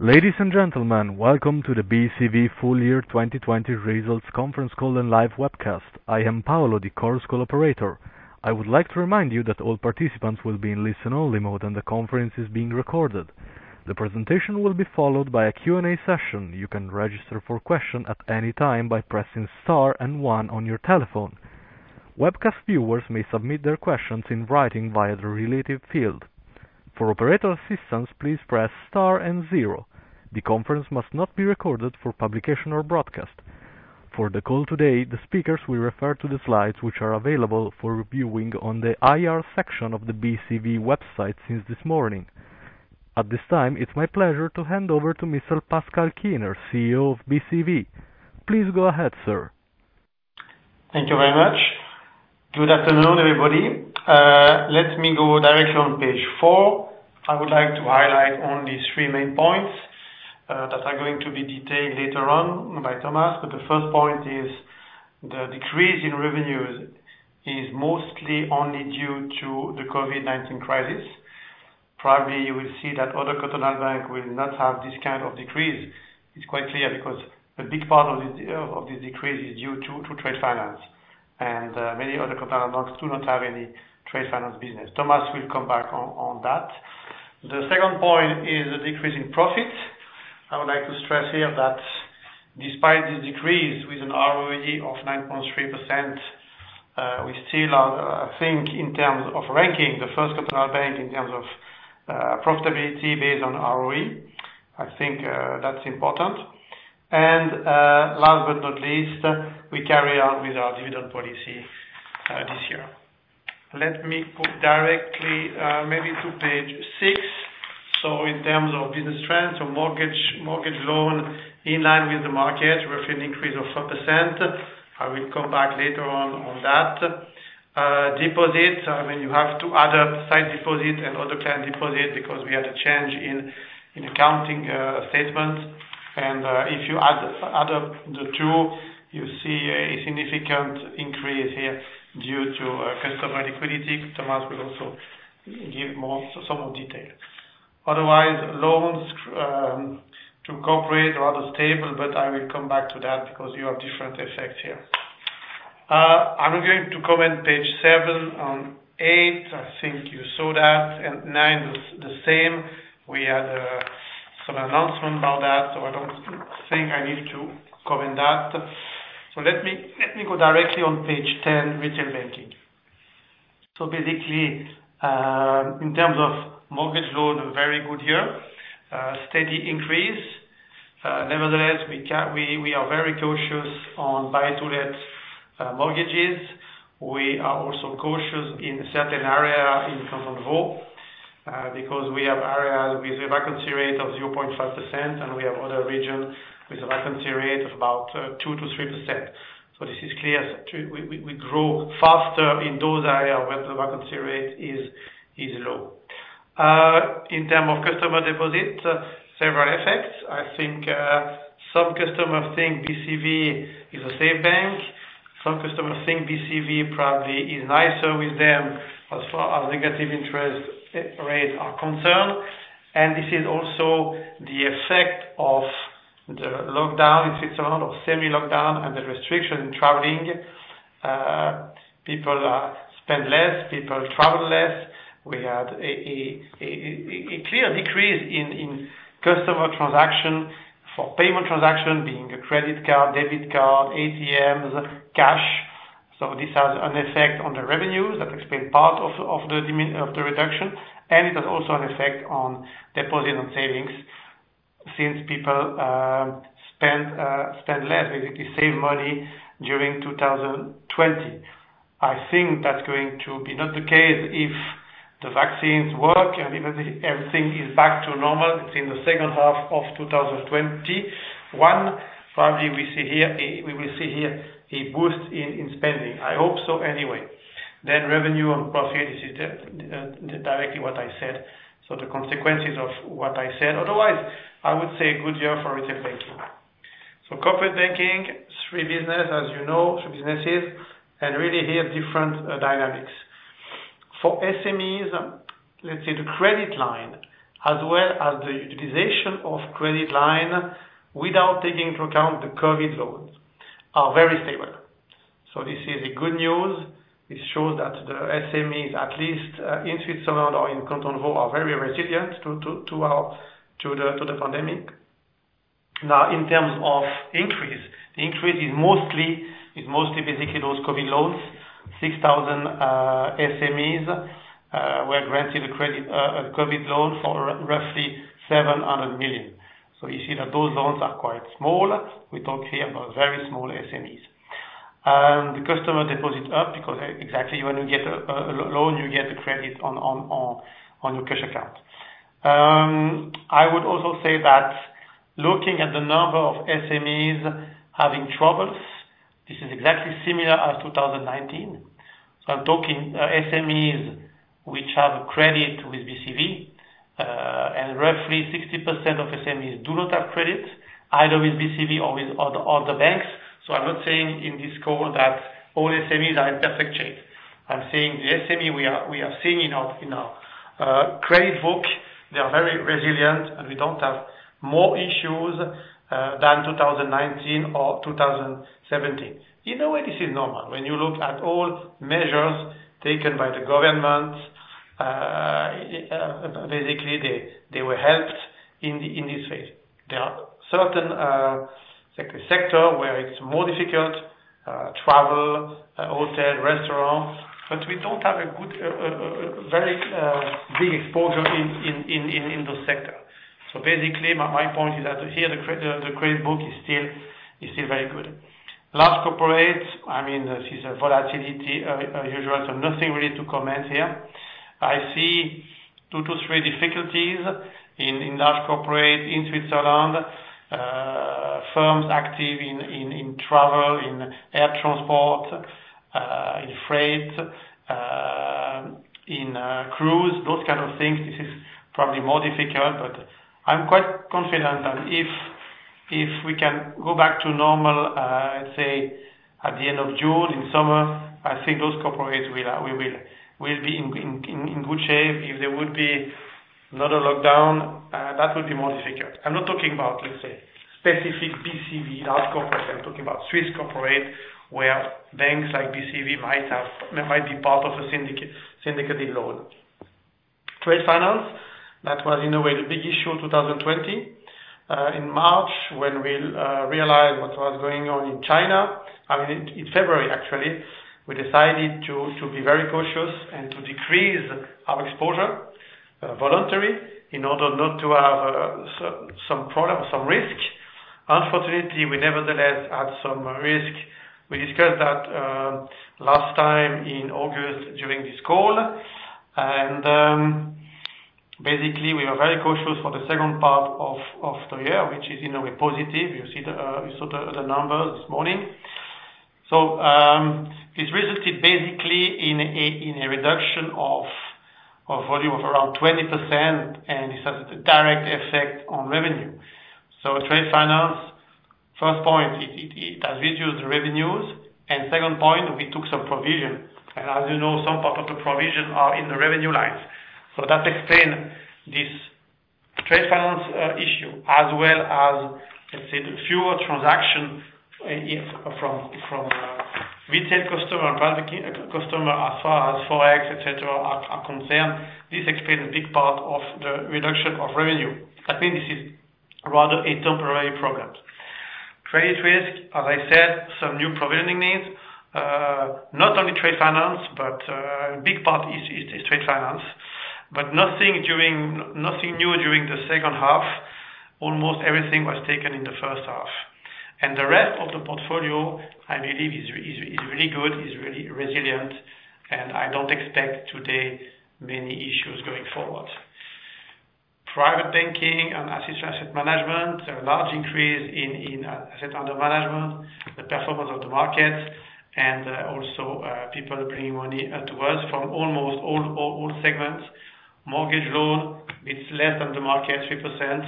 Ladies and gentlemen, welcome to the BCV Full Year 2020 Results Conference Call and live webcast. I am Paolo, the Chorus Call operator. I would like to remind you that all participants will be in listen-only mode, and the conference is being recorded. The presentation will be followed by a Q&A session. You can register for question at any time by pressing star and one on your telephone. Webcast viewers may submit their questions in writing via the related field. For operator assistance, please press star and zero. The conference must not be recorded for publication or broadcast. For the call today, the speakers will refer to the slides, which are available for viewing on the IR section of the BCV website since this morning. At this time, it's my pleasure to hand over to Mr. Pascal Kiener, CEO of BCV. Please go ahead, sir. Thank you very much. Good afternoon, everybody. Let me go directly on page four. I would like to highlight only three main points that are going to be detailed later on by Thomas. The first point is the decrease in revenues is mostly only due to the COVID-19 crisis. Probably, you will see that other cantonal banks will not have this kind of decrease. It's quite clear because a big part of this decrease is due to trade finance, and many other cantonal banks do not have any trade finance business. Thomas will come back on that. The second point is the decrease in profits. I would like to stress here that despite the decrease with an ROE of 9.3%, we still are, I think, in terms of ranking, the first cantonal bank in terms of profitability based on ROE. I think that's important. Last but not least, we carry on with our dividend policy this year. Let me put directly maybe to page six. In terms of business trends or mortgage loan in line with the market, roughly an increase of 4%. I will come back later on that. Deposits, when you have two other side deposits and other client deposits, because we had a change in accounting statements. If you add up the two, you see a significant increase here due to customer liquidity. Thomas will also give some more detail. Otherwise, loans to corporate are rather stable, but I will come back to that because you have different effects here. I'm going to comment page seven and eight. I think you saw that, and nine is the same. We had some announcement about that, so I don't think I need to comment that. Let me go directly on page 10, retail banking. Basically, in terms of mortgage loans, very good year, steady increase. Nevertheless, we are very cautious on buy-to-let mortgages. We are also cautious in certain areas in Canton Vaud, because we have areas with a vacancy rate of 0.5%, and we have other regions with a vacancy rate of about 2%-3%. This is clear, we grow faster in those areas where the vacancy rate is low. In terms of customer deposit, several effects. I think some customers think BCV is a safe bank. Some customers think BCV probably is nicer with them as far as negative interest rates are concerned. This is also the effect of the lockdown in Switzerland, or semi-lockdown, and the restriction in traveling. People spend less, people travel less. We had a clear decrease in customer transaction for payment transaction, being a credit card, debit card, ATMs, cash. This has an effect on the revenues. That explains part of the reduction, and it has also an effect on deposit on savings since people spend less, basically save money during 2020. I think that's going to be not the case if the vaccines work and everything is back to normal. It's in the second half of 2021, probably we will see a boost in spending. I hope so anyway. Revenue and profit, this is directly what I said. The consequences of what I said. Otherwise, I would say a good year for retail banking. Corporate banking, three business, as you know, three businesses, and really here, different dynamics. For SMEs, let's say the credit line, as well as the utilization of credit line, without taking into account the COVID loans, are very stable. This is a good news. This shows that the SMEs, at least in Switzerland or in Canton Vaud, are very resilient to the pandemic. In terms of increase, the increase is mostly basically those COVID loans. 6,000 SMEs were granted a COVID loan for roughly 700 million. You see that those loans are quite small. We talk here about very small SMEs. The customer deposits up because exactly when you get a loan, you get a credit on your cash account. I would also say that looking at the number of SMEs having troubles, this is exactly similar as 2019. I'm talking SMEs which have credit with BCV, and roughly 60% of SMEs do not have credit, either with BCV or with other banks. I'm not saying in this call that all SMEs are in perfect shape. I'm seeing the SME we are seeing in our credit book. They are very resilient, and we don't have more issues than 2019 or 2017. In a way, this is normal. When you look at all measures taken by the government, basically, they were helped in this phase. There are certain sector where it's more difficult, travel, hotel, restaurants, but we don't have a very big exposure in those sector. Basically, my point is that here the credit book is still very good. Large corporates, this is a volatility usual, so nothing really to comment here. I see two to three difficulties in large corporate in Switzerland, firms active in travel, in air transport, in freight, in cruise, those kind of things. This is probably more difficult, but I'm quite confident that if we can go back to normal, let's say at the end of June, in summer, I think those corporates will be in good shape. If there would be another lockdown, that would be more difficult. I'm not talking about, let's say, specific BCV large corporate. I'm talking about Swiss corporate, where banks like BCV might be part of a syndicated loan. Trade finance, that was in a way the big issue, 2020. In March, when we realized what was going on in China In February, actually, we decided to be very cautious and to decrease our exposure voluntary in order not to have some risk. Unfortunately, we nevertheless had some risk. We discussed that last time in August during this call, basically, we are very cautious for the second part of the year, which is in a way positive. You saw the numbers this morning. It resulted basically in a reduction of volume of around 20%, and this has a direct effect on revenue. Trade finance, first point, it has reduced revenues, and second point, we took some provision. As you know, some parts of the provision are in the revenue lines. That explains this trade finance issue as well as, let's say, the fewer transaction from retail customer and private customer as far as forex, et cetera, are concerned. This explains a big part of the reduction of revenue. I think this is rather a temporary problem. Credit risk, as I said, some new provisioning needs, not only trade finance, but a big part is the trade finance. Nothing new during the second half. Almost everything was taken in the first half. The rest of the portfolio, I believe is really good, is really resilient, and I don't expect today many issues going forward. Private banking and asset management, a large increase in assets under management, the performance of the markets, and also people bringing money to us from almost all segments. Mortgage loan, it's less than the market, 3%.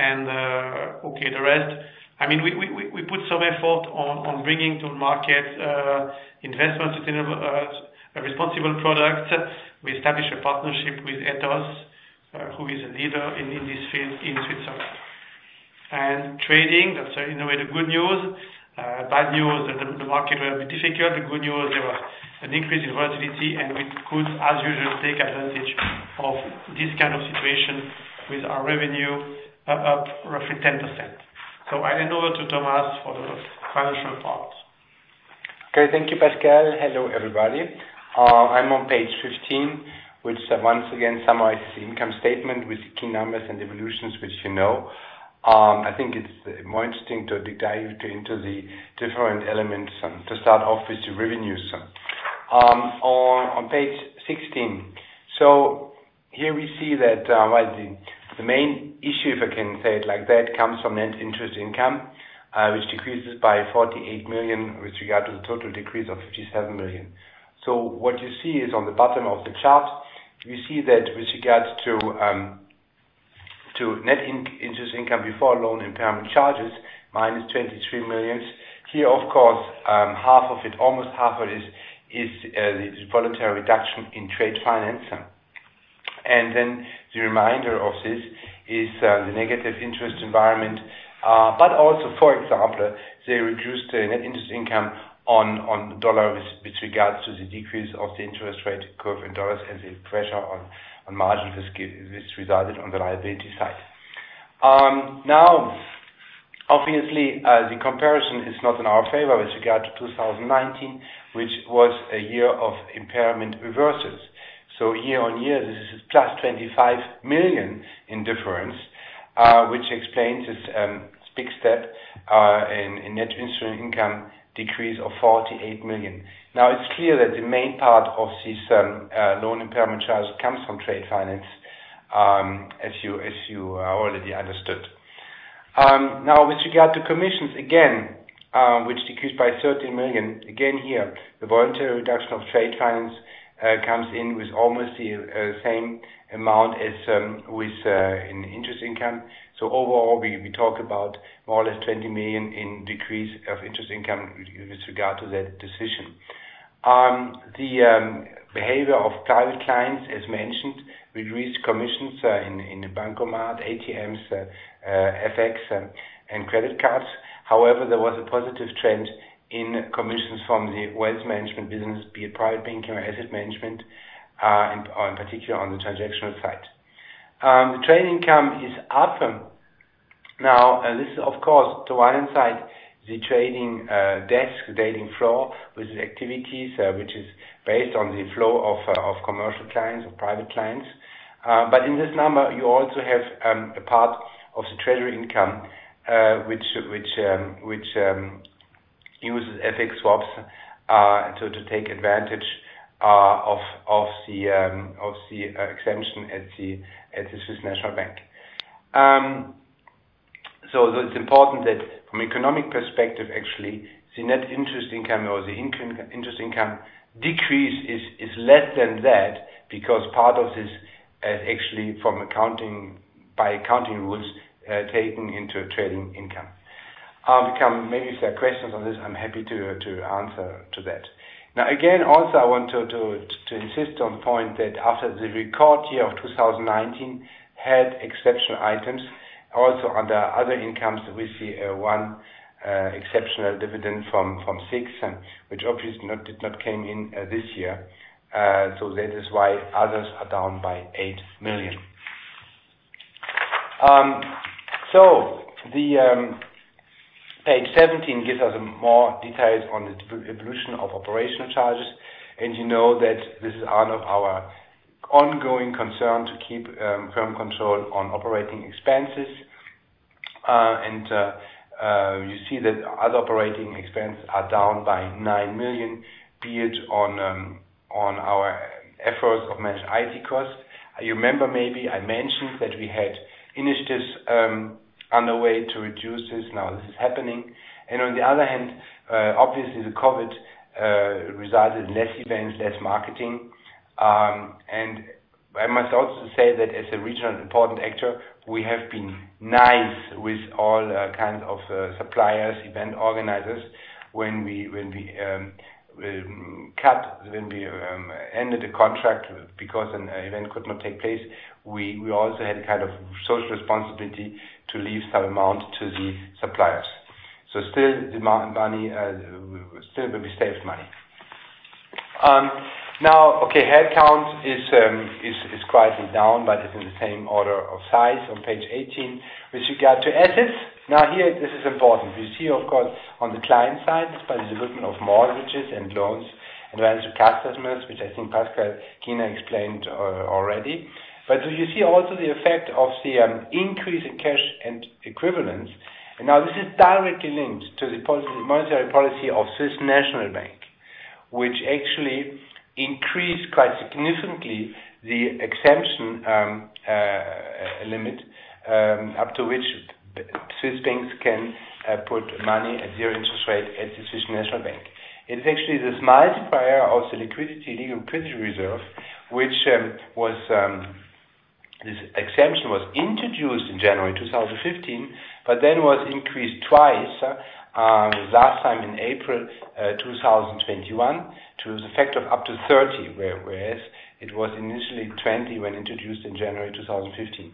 Okay, the rest. We put some effort on bringing to market investment-responsible products. We established a partnership with Ethos, who is a leader in this field in Switzerland. Trading, that's in a way the good news. Bad news, the market will be difficult. The good news, there was an increase in volatility, and we could, as usual, take advantage of this kind of situation with our revenue up roughly 10%. I hand over to Thomas for the financial part. Thank you, Pascal. Hello, everybody. I'm on page 15, which once again summarizes the income statement with the key numbers and evolutions, which you know. I think it's more interesting to dive into the different elements and to start off with the revenues. On page 16, here we see that the main issue, if I can say it like that, comes from net interest income, which decreases by 48 million with regard to the total decrease of 57 million. What you see is on the bottom of the chart, you see that with regards to net interest income before loan impairment charges, minus 23 million. Here, of course, almost half of it is the voluntary reduction in trade finance. The remainder of this is the negative interest environment. Also, for example, they reduced the net interest income on dollars with regards to the decrease of the interest rate curve in dollars and the pressure on margin which resulted on the liability side. Obviously, the comparison is not in our favor with regard to 2019, which was a year of impairment reverses. Year on year, this is plus 25 million in difference, which explains this big step in net interest income decrease of 48 million. It's clear that the main part of this loan impairment charge comes from trade finance, as you already understood. With regard to commissions, again, which decreased by 13 million, again here, the voluntary reduction of trade finance comes in with almost the same amount as in interest income. Overall, we talk about more or less 20 million in decrease of interest income with regard to that decision. The behavior of private clients, as mentioned, reduced commissions in the Bancomat, ATMs, FX, and credit cards. There was a positive trend in commissions from the wealth management business, be it private banking or asset management, in particular on the transactional side. The trading income is up. This is, of course, to one side, the trading desk, the trading floor with activities, which is based on the flow of commercial clients or private clients. In this number, you also have a part of the treasury income, which uses FX swaps to take advantage of the exemption at the Swiss National Bank. It's important that from economic perspective, actually, the net interest income or the interest income decrease is less than that because part of this is actually by accounting rules, taken into trading income. Maybe if there are questions on this, I'm happy to answer to that. Again, I want to insist on point that after the record year of 2019, had exceptional items. Under other incomes, we see one exceptional dividend from SIX, which obviously did not come in this year. That is why others are down by CHF 8 million. The page 17 gives us more details on the evolution of operational charges, and you know that this is one of our ongoing concern to keep firm control on operating expenses. You see that other operating expenses are down by 9 million, be it on our efforts of managed IT costs. You remember, maybe I mentioned that we had initiatives underway to reduce this. This is happening. On the other hand, obviously, the COVID resulted in less events, less marketing. I must also say that as a regional important actor, we have been nice with all kinds of suppliers, event organizers. When we ended the contract because an event could not take place, we also had social responsibility to leave some amount to the suppliers. Still we saved money. Okay, headcount is slightly down, but it's in the same order of size on page 18. With regard to assets, here, this is important. You see, of course, on the client side, despite the development of mortgages and loans and grants to customers, which I think Pascal Kiener explained already. You see also the effect of the increase in cash and equivalents. Now, this is directly linked to the monetary policy of Swiss National Bank, which actually increased quite significantly the exemption limit up to which Swiss banks can put money at zero interest rate at the Swiss National Bank. It is actually the multiplier of the liquidity legal reserve, which this exemption was introduced in January 2015, but then was increased twice, the last time in April 2021 to the effect of up to 30, whereas it was initially 20 when introduced in January 2015.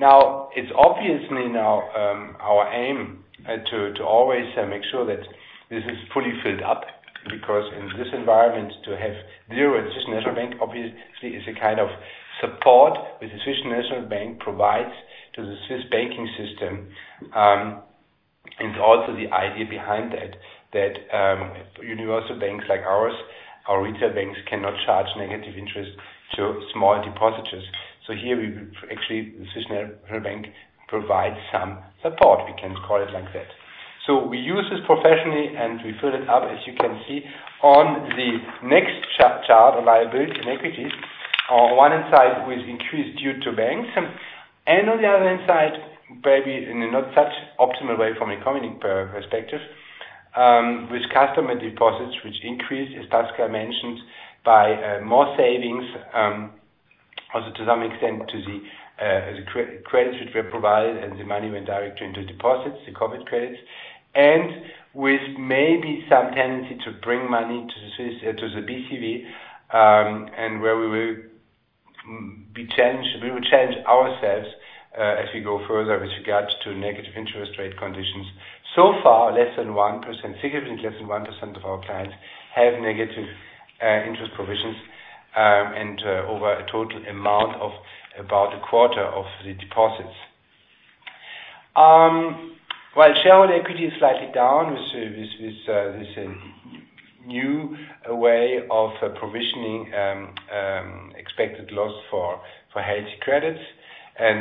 Now, it's obviously our aim to always make sure that this is fully filled up, because in this environment to have zero at Swiss National Bank obviously is a support that the Swiss National Bank provides to the Swiss banking system. Also the idea behind it, that universal banks like ours or retail banks cannot charge negative interest to small depositors. Here, actually, the Swiss National Bank provides some support, we can call it like that. We use this professionally, and we fill it up, as you can see on the next chart, liabilities and equities. On one side, we've increased due to banks, and on the other hand side, maybe in a not such optimal way from a accounting perspective, with customer deposits, which increased, as Pascal mentioned, by more savings, also to some extent to the loans which were provided, and the money went directly into deposits, the COVID loans. With maybe some tendency to bring money to the BCV, and where we will change ourselves as we go further with regard to negative interest rate conditions. So far, significantly less than 1% of our clients have negative interest provisions, and over a total amount of about a quarter of the deposits. While shareholder equity is slightly down with this new way of provisioning expected loss for healthy credits,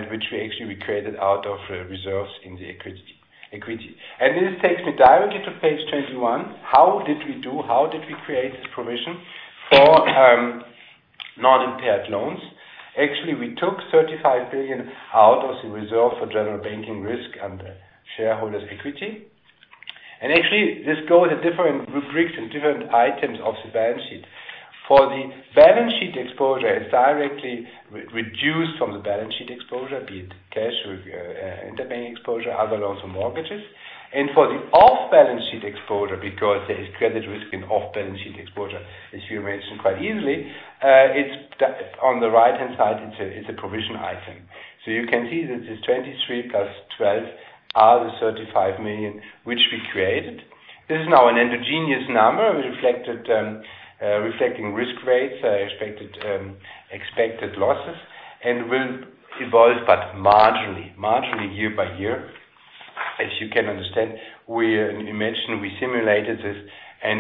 which we actually created out of reserves in the equity. This takes me directly to page 21. How did we do? How did we create this provision for non-impaired loans? Actually, we took 35 billion out of the Reserve for General Banking Risks under shareholders equity. Actually, this goes with different rubrics and different items of the balance sheet. For the balance sheet exposure, it's directly reduced from the balance sheet exposure, be it cash with interbank exposure, other loans, or mortgages. For the off-balance sheet exposure, because there is credit risk in off-balance sheet exposure, as you mentioned quite easily, on the right-hand side, it's a provision item. You can see that this 23 million plus 12 million are the 35 million, which we created. This is now an endogenous number, reflecting risk rates, expected losses, and will evolve, but marginally year by year. As you can understand, we mentioned we simulated this,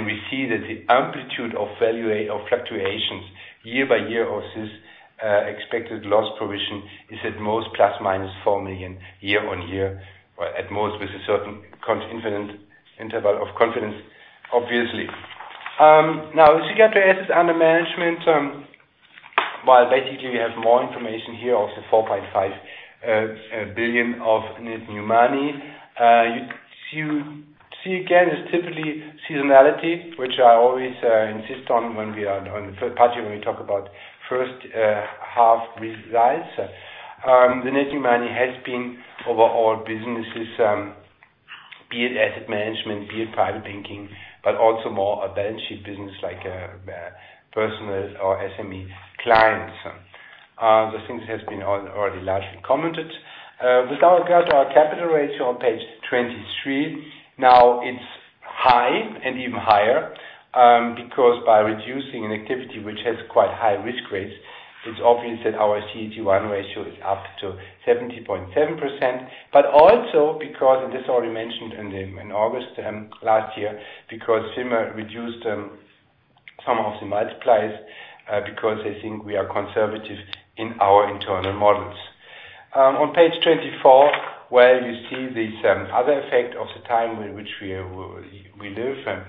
we see that the amplitude of fluctuations year by year of this expected loss provision is at most ±4 million year-on-year, or at most with a certain interval of confidence, obviously. Now, if you get to assets under management, while basically we have more information here of the 4.5 billion of net new money. You see again, it's typically seasonality, which I always insist on in the third party when we talk about first half results. The net new money has been over all businesses, be it asset management, be it private banking, but also more a balance sheet business like personal or SME clients. The things has been already largely commented. With regard to our capital ratio on page 23, now it's high and even higher, because by reducing an activity which has quite high-risk rates, it's obvious that our CET1 ratio is up to 70.7%, but also because, and this is already mentioned in August last year, because FINMA reduced some of the multipliers, because they think we are conservative in our internal models. On page 24, where you see this other effect of the time in which we live,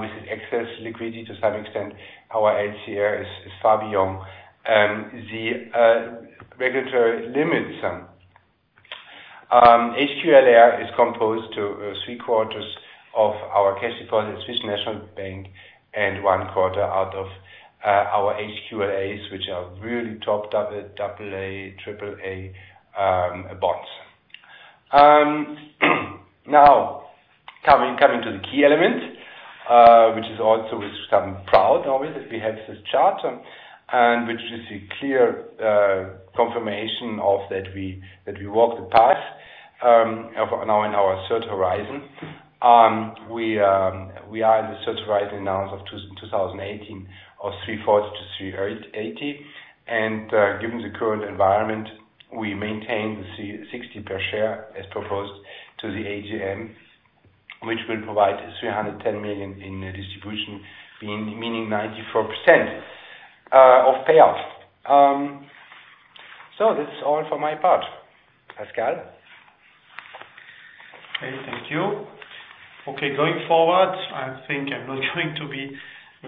with excess liquidity to some extent, our HQLA is far beyond the regulatory limits. HQLA is composed to three quarters of our cash deposits, Swiss National Bank, and one quarter out of our HQLAs, which are really top double A, triple A bonds. Coming to the key element, which is also we're certain proud always that we have this chart, and which is a clear confirmation that we walked the path now in our third horizon. We are in the third horizon now of 2018 of 340-380. Given the current environment, we maintain the 60 per share as proposed to the AGM, which will provide 310 million in distribution, meaning 94% of payout. This is all for my part. Pascal? Thank you. Going forward, I think I'm not going to be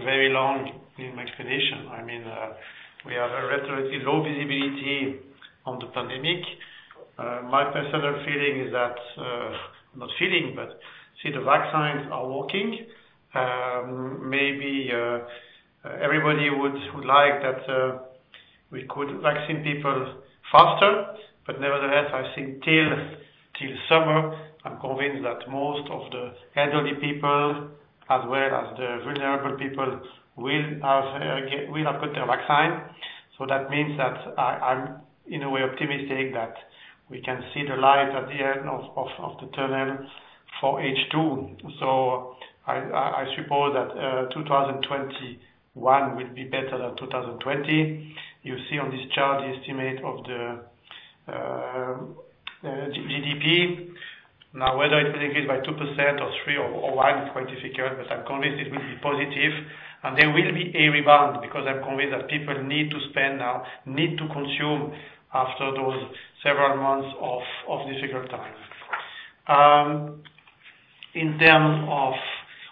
very long in my explanation. We have a relatively low visibility on the pandemic. My personal feeling is that not feeling, but see the vaccines are working. Maybe everybody would like that we could vaccine people faster. Nevertheless, I think till summer, I'm convinced that most of the elderly people as well as the vulnerable people will have got their vaccine. That means that I'm in a way optimistic that we can see the light at the end of the tunnel for H2. I suppose that 2021 will be better than 2020. You see on this chart the estimate of the GDP. Now, whether it will increase by 2% or 3% or 1%, it's quite difficult, but I'm convinced it will be positive and there will be a rebound, because I'm convinced that people need to spend now, need to consume after those several months of difficult times.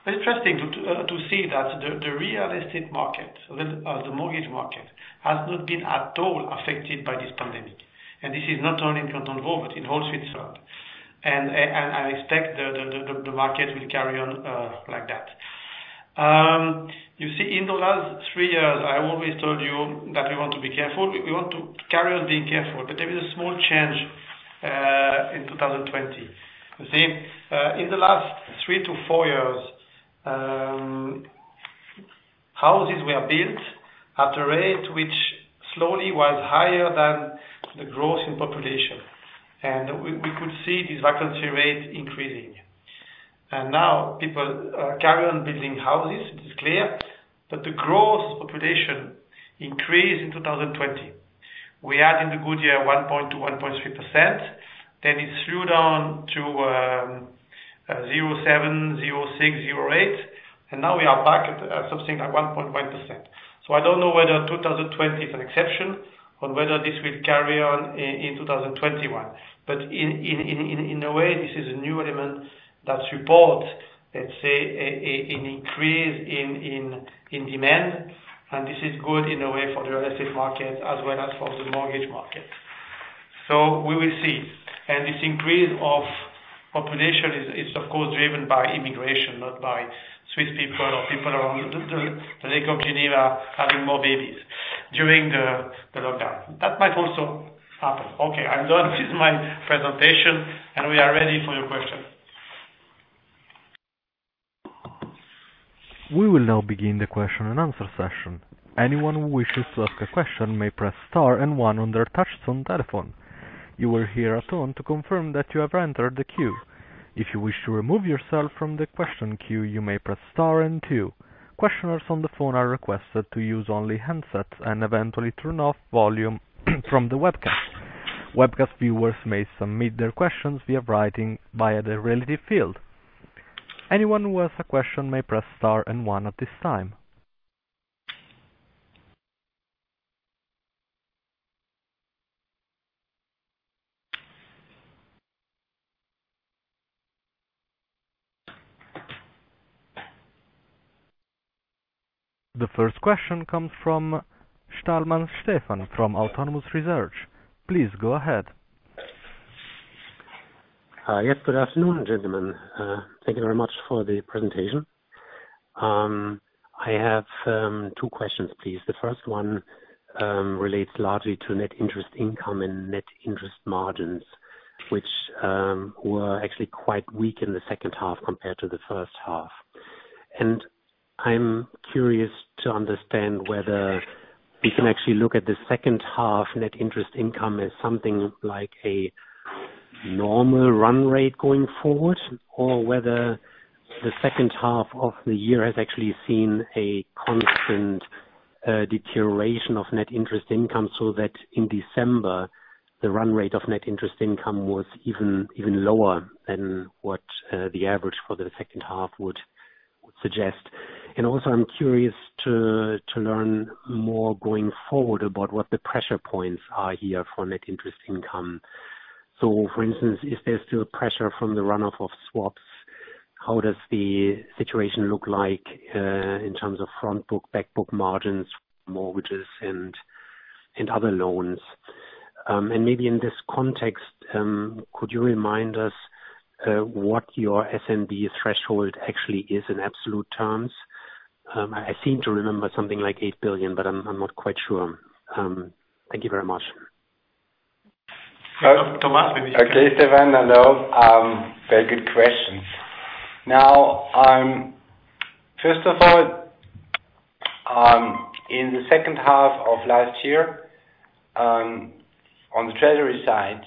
Interesting to see that the real estate market, the mortgage market, has not been at all affected by this pandemic. This is not only in Canton of Vaud, but in whole Switzerland. I expect the market will carry on like that. You see, in the last three years, I always told you that we want to be careful. We want to carry on being careful, but there is a small change in 2020. You see, in the last three to four years, houses were built at a rate which slowly was higher than the growth in population. We could see this vacancy rate increasing. Now people carry on building houses, it is clear, but the growth of population increased in 2020. We had in the good year 1.2% to 1.3%, then it slew down to 0.7%, 0.6%, 0.8%, and now we are back at something like 1.1%. I don't know whether 2020 is an exception or whether this will carry on in 2021. In a way, this is a new element that supports, let's say, an increase in demand, and this is good in a way for the real estate market as well as for the mortgage market. We will see. This increase of population is of course driven by immigration, not by Swiss people or people around the Lake of Geneva having more babies during the lockdown. That might also happen. Okay, I'm done with my presentation, and we are ready for your questions. We will now begin the question and answer session. Anyone who wishes to ask a question may press star and one on their touch-tone telephone. You will hear a tone to confirm that you have entered the queue. If you wish to remove yourself from the question queue, you may press star and two. Questioners on the phone are requested to use only handsets and eventually turn off volume from the webcast. Webcast viewers may submit their questions via writing via the related field. Anyone who has a question may press star and one at this time. The first question comes from Stefan Stalmann from Autonomous Research. Please go ahead. Yes. Good afternoon, gentlemen. Thank you very much for the presentation. I have two questions, please. The first one relates largely to net interest income and net interest margins, which were actually quite weak in the second half compared to the first half. I'm curious to understand whether we can actually look at the second half net interest income as something like a normal run rate going forward, or whether the second half of the year has actually seen a constant deterioration of net interest income, so that in December, the run rate of net interest income was even lower than what the average for the second half would suggest. Also, I'm curious to learn more going forward about what the pressure points are here for net interest income. For instance, is there still pressure from the runoff of swaps? How does the situation look like, in terms of front book, back book margins, mortgages, and other loans? Maybe in this context, could you remind us what your SNB threshold actually is in absolute terms? I seem to remember something like 8 billion, but I'm not quite sure. Thank you very much. Thomas, maybe. Okay, Stefan. Hello. Very good questions. First of all, in the second half of last year, on the treasury side,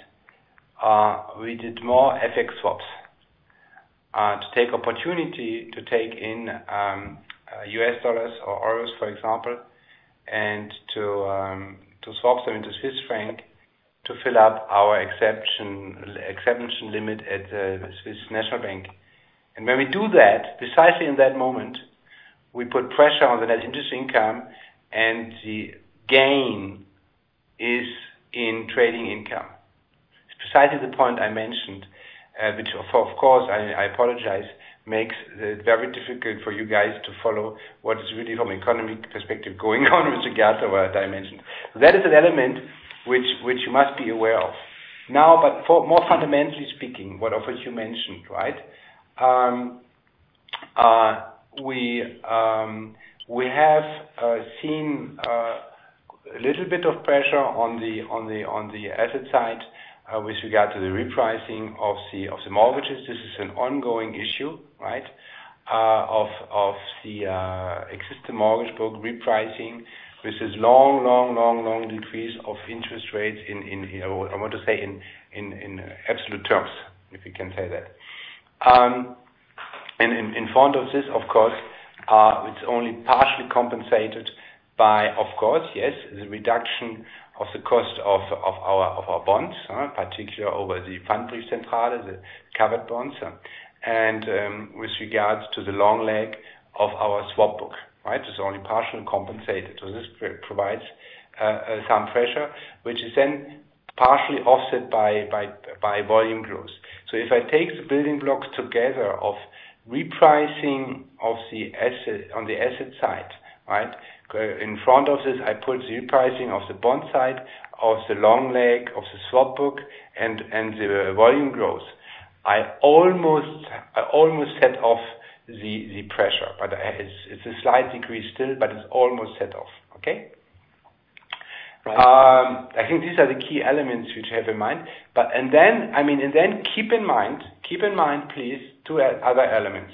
we did more FX swaps, to take opportunity to take in U.S. dollars or euros, for example, and to swap them into Swiss franc to fill up our exception limit at the Swiss National Bank. When we do that, precisely in that moment, we put pressure on the net interest income, and the gain is in trading income. It's precisely the point I mentioned, which of course, I apologize, makes it very difficult for you guys to follow what is really from economic perspective, going on with regard to what I mentioned. That is an element which you must be aware of. For more fundamentally speaking, what of which you mentioned. We have seen a little bit of pressure on the asset side, with regard to the repricing of the mortgages. This is an ongoing issue of the existing mortgage book repricing. This is long decrease of interest rates in, I want to say in absolute terms, if you can say that. In front of this, of course, it's only partially compensated by, of course, yes, the reduction of the cost of our bonds, particularly over the Pfandbriefzentrale, the covered bonds, and with regards to the long leg of our swap book. It's only partially compensated. This provides some pressure, which is then partially offset by volume growth. If I take the building blocks together of repricing on the asset side. In front of this, I put the repricing of the bond side of the long leg of the swap book and the volume growth. I almost set off the pressure, but it's a slight decrease still, but it's almost set off. Okay? Right. I think these are the key elements which I have in mind. Keep in mind, please, two other elements.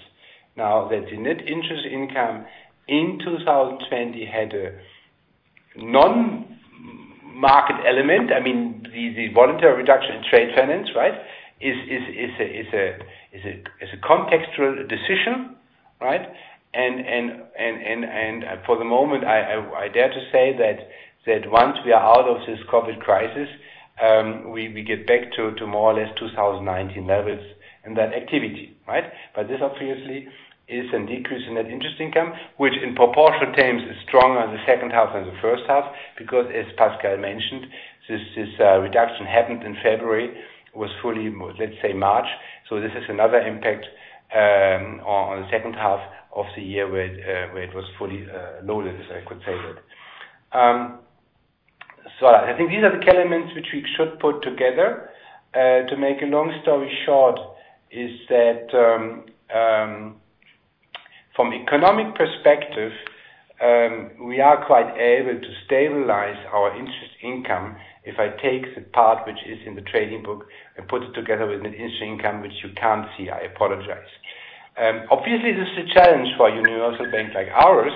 Now, that the net interest income in 2020 had a non-market element. I mean, the voluntary reduction in trade finance is a contextual decision. For the moment, I dare to say that once we are out of this COVID-19 crisis, we get back to more or less 2019 levels and that activity. This obviously is a decrease in net interest income, which in proportion terms is stronger in the second half than the first half, because as Pascal mentioned, this reduction happened in February, was fully, let's say, March. This is another impact, on the second half of the year where it was fully loaded, if I could say that. I think these are the elements which we should put together. To make a long story short, is that from economic perspective, we are quite able to stabilize our interest income if I take the part which is in the trading book and put it together with an interest income, which you can't see, I apologize. Obviously, this is a challenge for a universal bank like ours,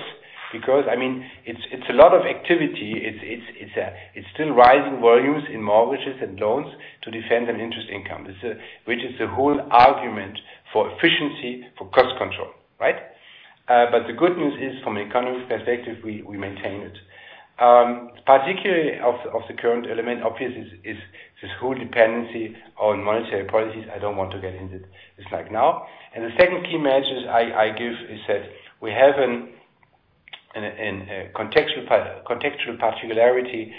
because it's a lot of activity. It's still rising volumes in mortgages and loans to defend an interest income, which is the whole argument for efficiency, for cost control. Right? The good news is, from an economic perspective, we maintain it. Particularly of the current element, obviously, is this whole dependency on monetary policies. I don't want to get into this right now. The second key message I give is that we have a contextual particularity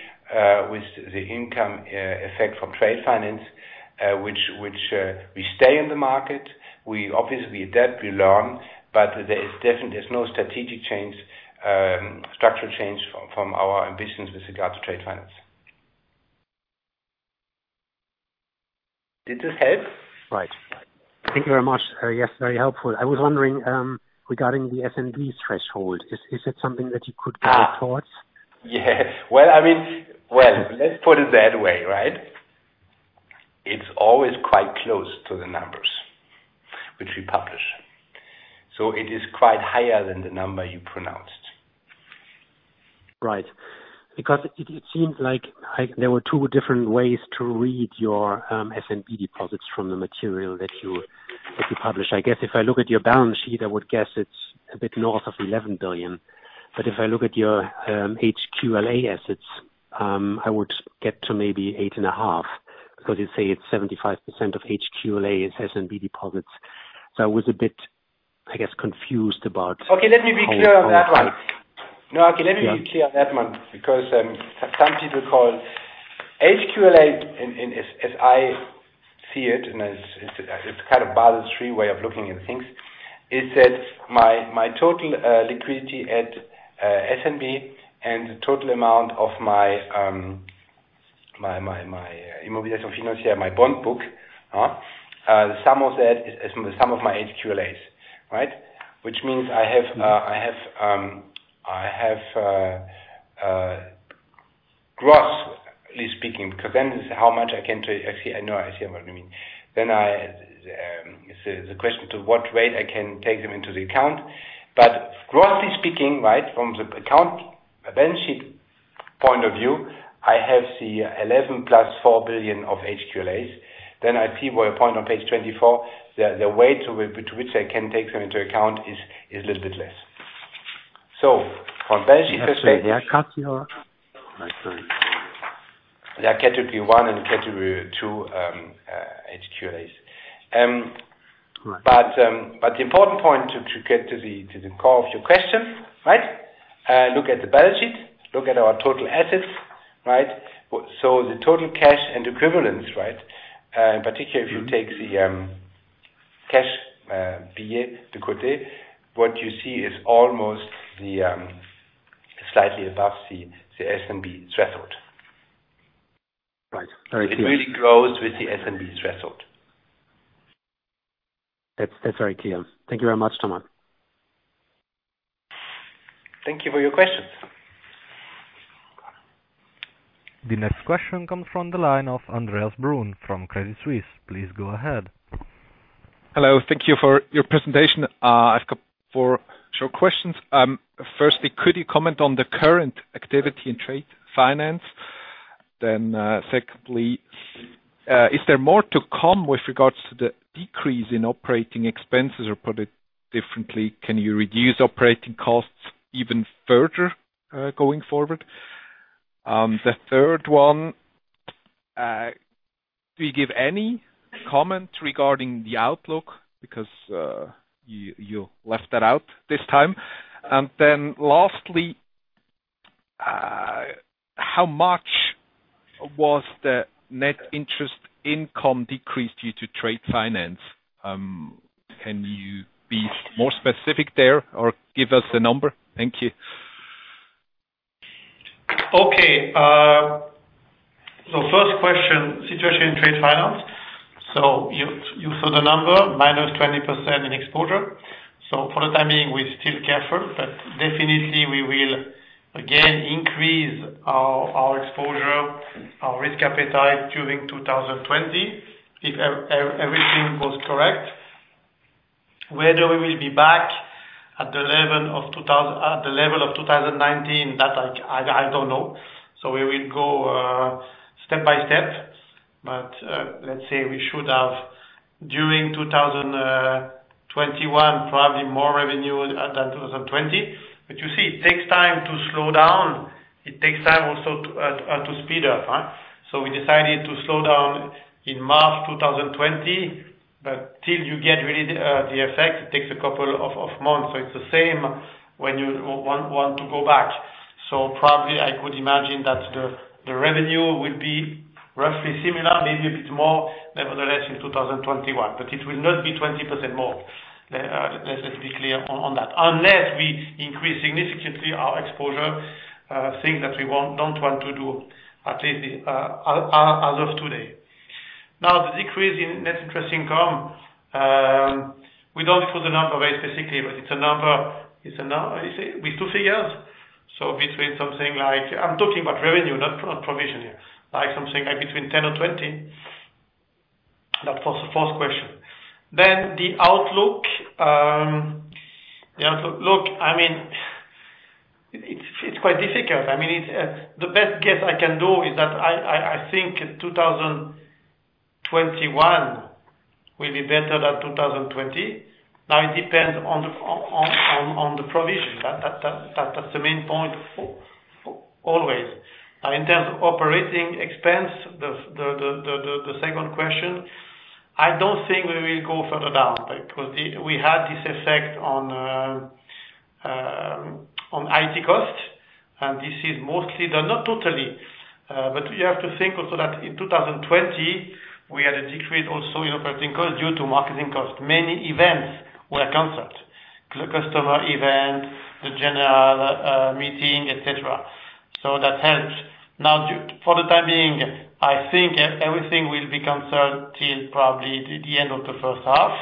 with the income effect from trade finance, which we stay in the market. We obviously adapt, we learn, but there's no strategic structural change from our ambitions with regard to trade finance. Did this help? Right. Thank you very much. Yes, very helpful. I was wondering regarding the SNB threshold, is it something that you could give a thought? Yes. Well, let's put it that way, right? It's always quite close to the numbers which we publish. It is quite higher than the number you pronounced. Right. It seemed like there were two different ways to read your SNB deposits from the material that you publish. I guess if I look at your balance sheet, I would guess it's a bit north of 11 billion. If I look at your HQLA assets, I would get to maybe 8.5 billion, because you say it's 75% of HQLA is SNB deposits. Okay, let me be clear on that one. Okay, let me be clear on that one, because some people call HQLA, as I see it, and it's kind of balance sheet way of looking at things, is that my total liquidity at SNB and the total amount of my immobilisations financières, my bond book. The sum of my HQLAs. Right? Which means I have, grossly speaking, because this is how much I can take. Actually, I know, I see what you mean. The question to what rate I can take them into the account. Grossly speaking, right, from the account balance sheet point of view, I have the 11 billion plus 4 billion of HQLAs. I see your point on page 24, the way to which I can take them into account is a little bit less. From balance sheet perspective- They are category 1? I see. They are category 1 and category 2 HQLAs. Right. The important point to get to the core of your question. Look at the balance sheet, look at our total assets. The total cash and equivalents. In particular, if you take the cash, billets à l'escompte, what you see is almost slightly above the SNB threshold. Right. All right. It really grows with the SNB threshold. That's all right. Thank you very much, Thomas. Thank you for your questions. The next question comes from the line of Andreas Brun from Credit Suisse. Please go ahead. Hello. Thank you for your presentation. I've got four short questions. Firstly, could you comment on the current activity in trade finance? Secondly, is there more to come with regards to the decrease in operating expenses, or put it differently, can you reduce operating costs even further going forward? The third one, do you give any comment regarding the outlook? You left that out this time. Lastly, how much was the net interest income decreased due to trade finance? Can you be more specific there or give us a number? Thank you. Okay. First question, situation in trade finance. You saw the number, minus 20% in exposure. For the time being, we're still careful, but definitely we will again increase our exposure, our risk appetite during 2020, if everything goes correct. Whether we will be back at the level of 2019, that I don't know. We will go step by step. Let's say we should have, during 2021, probably more revenue than 2020. You see, it takes time to slow down. It takes time also to speed up. We decided to slow down in March 2020, but till you get really the effect, it takes a couple of months. It's the same when you want to go back. Probably I could imagine that the revenue will be. Roughly similar, maybe a bit more, nevertheless, in 2021. It will not be 20% more. Let us be clear on that. Unless we increase significantly our exposure, things that we don't want to do, at least as of today. The decrease in net interest income, we don't give out the number very specifically, but it's a number, with two figures. Between something like I'm talking about revenue, not provision here. Something between 10 and 20. That's the first question. The outlook. Look, it's quite difficult. The best guess I can do is that I think 2021 will be better than 2020. It depends on the provision. That's the main point always. In terms of operating expense, the second question, I don't think we will go further down, because we had this effect on IT cost, and this is mostly, though not totally. You have to think also that in 2020, we had a decrease also in operating cost due to marketing cost. Many events were canceled. The customer event, the general meeting, et cetera. That helps. Now, for the time being, I think everything will be concerned till probably the end of the first half.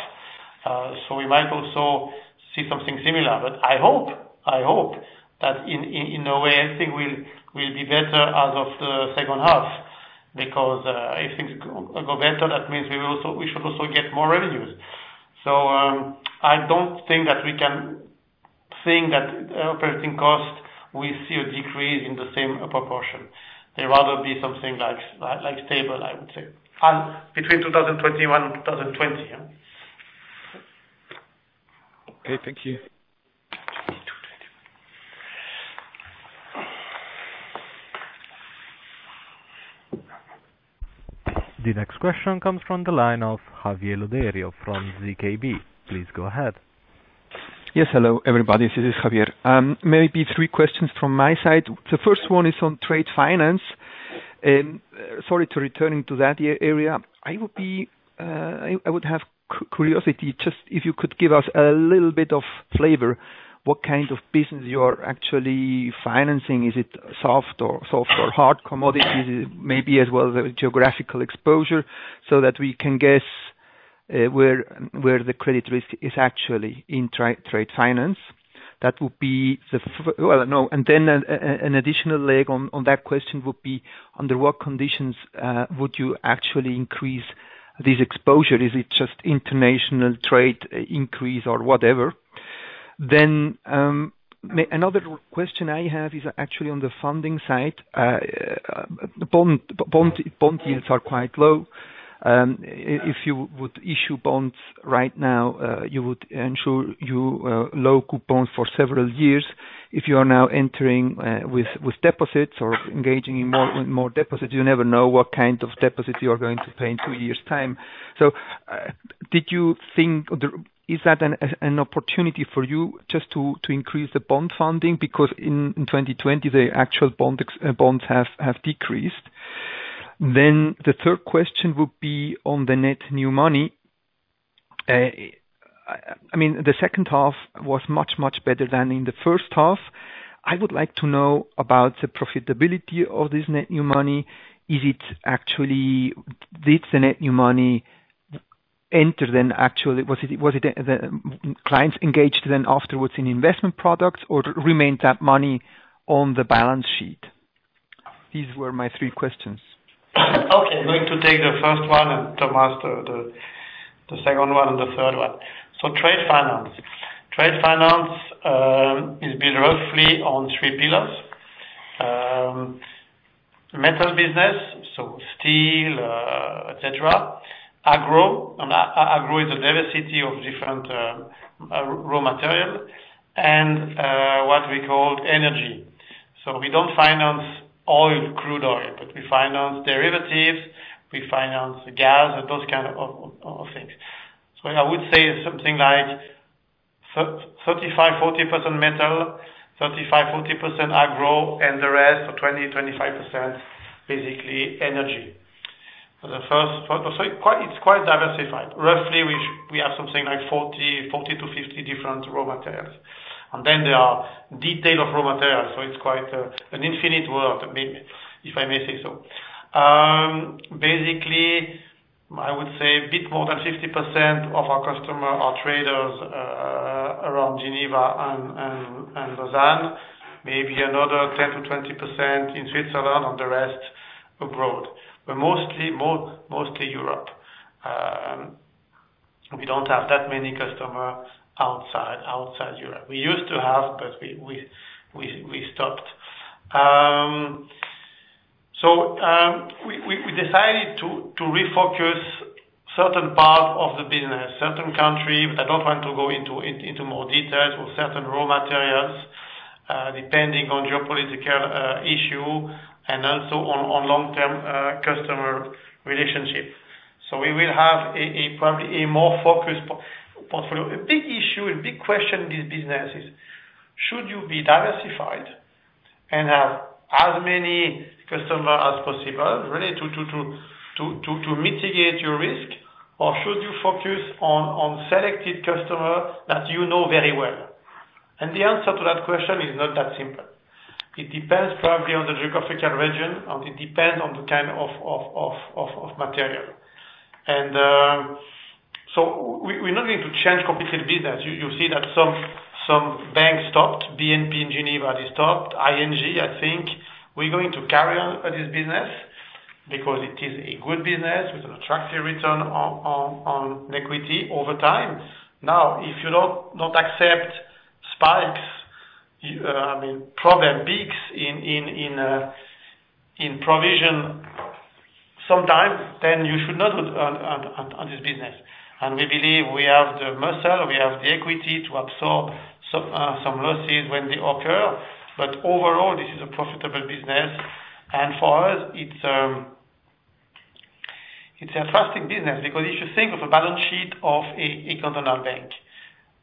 We might also see something similar. I hope that in a way, everything will be better as of the second half, because if things go better, that means we should also get more revenues. I don't think that we can think that operating costs will see a decrease in the same proportion. They'd rather be something like stable, I would say, between 2021 and 2020. Okay. Thank you. The next question comes from the line of Javier Lodeiro from ZKB. Please go ahead. Yes. Hello, everybody. This is Javier. Maybe three questions from my side. The first one is on trade finance. Sorry to returning to that area. I would have curiosity, just if you could give us a little bit of flavor, what kind of business you are actually financing. Is it soft or hard commodities? Maybe as well the geographical exposure so that we can guess where the credit risk is actually in trade finance. An additional leg on that question would be, under what conditions would you actually increase this exposure? Is it just international trade increase or whatever? Another question I have is actually on the funding side. Bond yields are quite low. If you would issue bonds right now, you would ensure you low coupon for several years. If you are now entering with deposits or engaging in more deposits, you never know what kind of deposits you are going to pay in two years' time. Did you think, is that an opportunity for you just to increase the bond funding? In 2020, the actual bonds have decreased. The third question would be on the net new money. The second half was much, much better than in the first half. I would like to know about the profitability of this net new money. Did the net new money enter then actually? Was it the clients engaged then afterwards in investment products, or remained that money on the balance sheet? These were my three questions. Okay. I'm going to take the first one. Thomas the second one and the third one. Trade finance. Trade finance is built roughly on three pillars. Metal business, steel, et cetera. Agro. Agro is a diversity of different raw material. What we call energy. We don't finance crude oil. We finance derivatives, we finance gas, those kind of things. I would say something like 35%-40% metal, 35%-40% agro, and the rest, 20%-25%, basically energy. It's quite diversified. Roughly, we have something like 40-50 different raw materials. There are detail of raw materials. It's quite an infinite world, if I may say so. Basically, I would say a bit more than 50% of our customers are traders around Geneva and Lausanne. Maybe another 10%-20% in Switzerland. The rest abroad. Mostly Europe. We don't have that many customers outside Europe. We used to have, we stopped. We decided to refocus certain parts of the business, certain countries, but I don't want to go into more details, or certain raw materials, depending on geopolitical issue and also on long-term customer relationship. We will have probably a more focused portfolio. A big issue, a big question in this business is: Should you be diversified and have as many customers as possible really to mitigate your risk, or should you focus on selected customers that you know very well? The answer to that question is not that simple. It depends probably on the geographical region, and it depends on the kind of material. We're not going to change competitive business. You see that some banks stopped. BNP in Geneva, they stopped. ING, I think. We're going to carry on this business because it is a good business with an attractive return on equity over time. Now, if you don't accept spikes, problem peaks in provision sometimes, then you should not on this business. We believe we have the muscle, we have the equity to absorb some losses when they occur. Overall, this is a profitable business. For us, it's a trusting business because if you think of a balance sheet of a cantonal bank,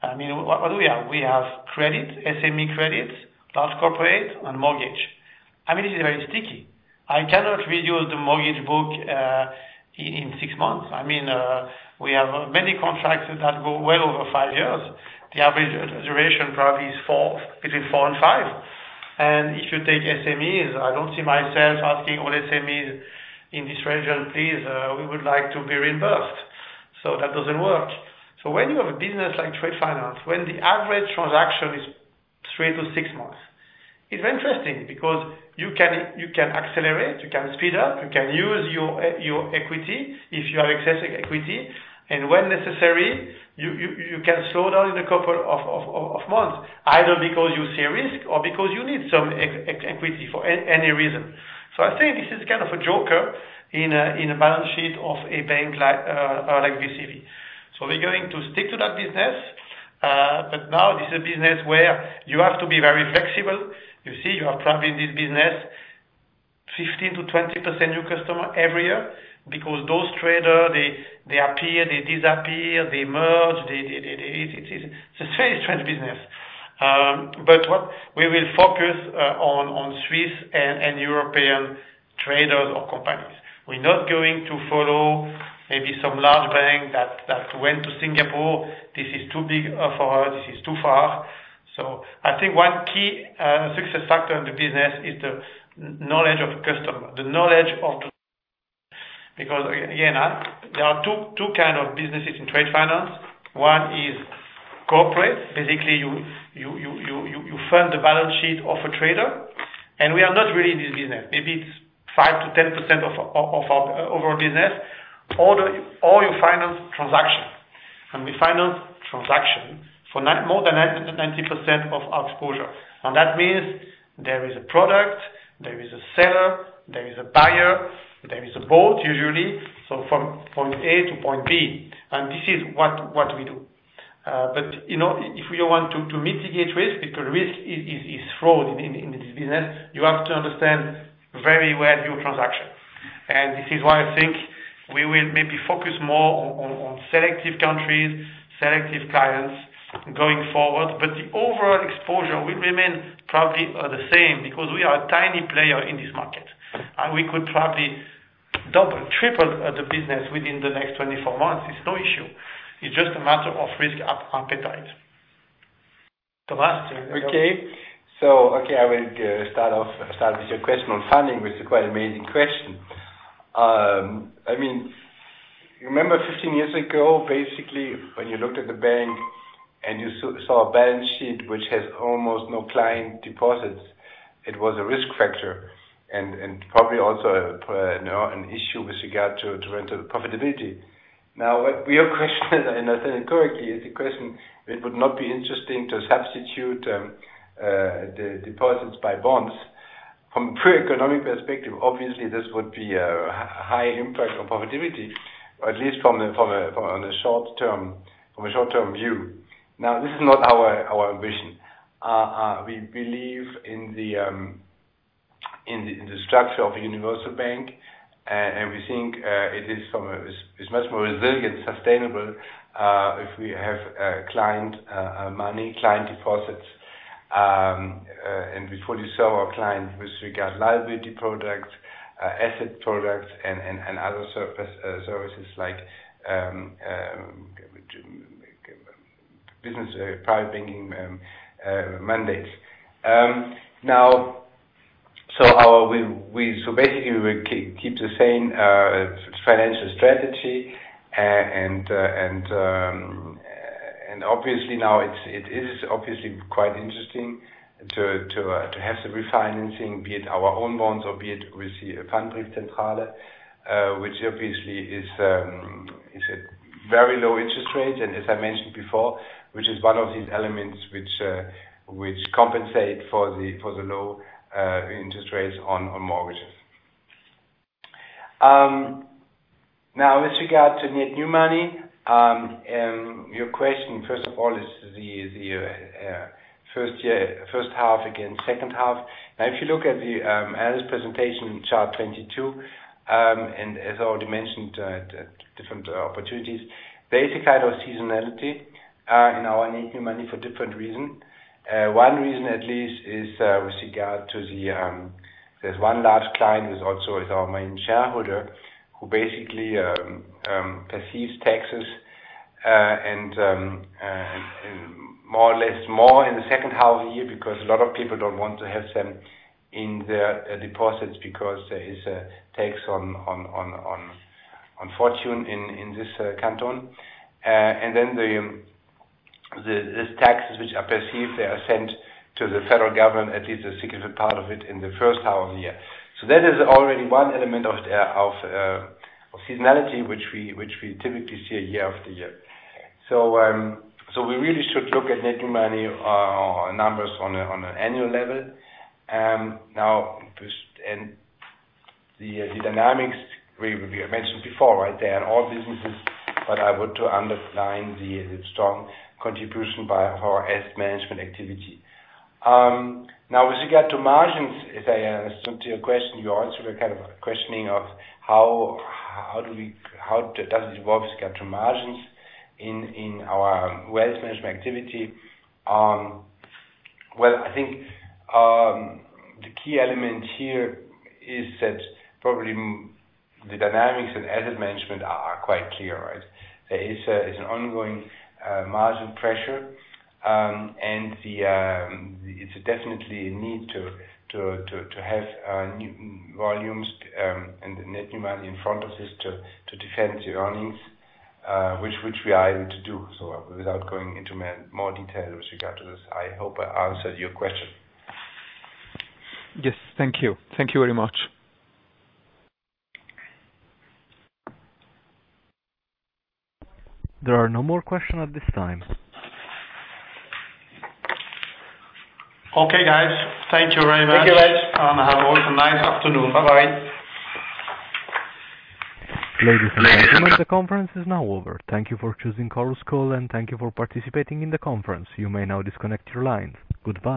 what do we have? We have credit, SME credits, large corporate, and mortgage. It is very sticky. I cannot reduce the mortgage book in six months. We have many contracts that go well over five years. The average duration probably is between four and five. If you take SMEs, I don't see myself asking all SMEs in this region, "Please, we would like to be reimbursed." That doesn't work. When you have a business like trade finance, when the average transaction is three to six months, it's interesting because you can accelerate, you can speed up, you can use your equity if you have excessive equity, and when necessary, you can slow down in a couple of months, either because you see risk or because you need some equity for any reason. I think this is a joker in a balance sheet of a bank like BCV. We're going to stick to that business. Now this is a business where you have to be very flexible. You see, you have probably in this business 15%-20% new customer every year because those traders, they appear, they disappear, they merge. It's a very strange business. What we will focus on Swiss and European traders or companies. We're not going to follow maybe some large bank that went to Singapore. This is too big for us. This is too far. I think one key success factor in the business is the knowledge of the customer. Because, again, there are two kinds of businesses in trade finance. One is corporate. Basically, you fund the balance sheet of a trader, and we are not really in this business. Maybe it's 5%-10% of our overall business. You finance transaction. We finance transaction for more than 90% of our exposure. That means there is a product, there is a seller, there is a buyer, there is a boat usually. From point A to point B. This is what we do. If we want to mitigate risk, because risk is thrown in this business, you have to understand very well your transaction. This is why I think we will maybe focus more on selective countries, selective clients going forward. The overall exposure will remain probably the same because we are a tiny player in this market. We could probably double, triple the business within the next 24 months. It's no issue. It's just a matter of risk appetite. Thomas. I will start off, start with your question on funding, which is quite an amazing question. Remember 15 years ago, basically, when you looked at the bank and you saw a balance sheet which has almost no client deposits, it was a risk factor and probably also an issue with regard to rental profitability. Your question, and I think correctly, is a question that would not be interesting to substitute the deposits by bonds. From a pure economic perspective, obviously, this would be a high impact on profitability, or at least from a short-term view. This is not our vision. We believe in the structure of a universal bank, and we think it's much more resilient, sustainable, if we have client money, client deposits, and we fully serve our clients with regard to liability products, asset products, and other services like business private banking mandates. Basically, we will keep the same financial strategy, and obviously now it is obviously quite interesting to have the refinancing, be it our own bonds or be it with the Pfandbriefzentrale, which obviously is a very low interest rate, and as I mentioned before, which is one of these elements which compensate for the low interest rates on mortgages. With regard to net new money, your question, first of all, is the first half against second half. If you look at Alice's presentation in Chart 22, and as already mentioned, different opportunities. There is a kind of seasonality in our net new money for different reasons. One reason at least is with regard to, there's one large client who also is our main shareholder who basically perceives taxes and more or less more in the second half of the year because a lot of people don't want to have them in their deposits because there is a tax on fortune in this canton. These taxes which are perceived, they are sent to the federal government, at least a significant part of it in the first half of the year. That is already one element of seasonality which we typically see year after year. We really should look at net new money numbers on an annual level. Now, the dynamics we mentioned before, right? They are in all businesses, but I want to underline the strong contribution by our asset management activity. Now, with regard to margins, if I answer your question, you also were kind of questioning how does it evolve with regard to margins in our wealth management activity. Well, I think the key element here is that probably the dynamics in asset management are quite clear, right? There is an ongoing margin pressure and it's definitely a need to have new volumes and net new money in front of us to defend the earnings which we are able to do. Without going into more detail with regard to this, I hope I answered your question. Yes. Thank you. Thank you very much. There are no more questions at this time. Okay, guys. Thank you very much. Thank you, guys. Have also a nice afternoon. Bye. Ladies and gentlemen, the conference is now over. Thank you for choosing Chorus Call and thank you for participating in the conference. You may now disconnect your lines. Goodbye.